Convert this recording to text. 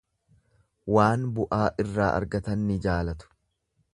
Waan bu'aa irraa argatan ni jaalatu.